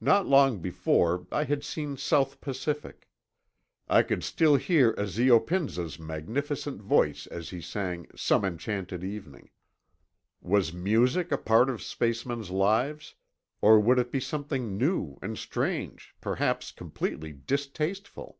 Not long before, I had seen South Pacific. I could still hear Ezio Pinza's magnificent voice as he sang "Some Enchanted Evening." Was music a part of spacemen's lives, or would it be something new and strange, perhaps completely distasteful?